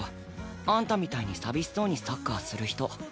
あんたみたいに寂しそうにサッカーする人。